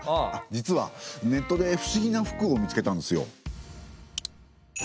実はネットで不思議な服を見つけたんですよ。